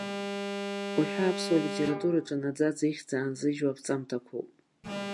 Уҳәа аԥсуа литератураҿы наӡаӡа ихьӡ аанзыжьуа аԥҵамҭақәоуп.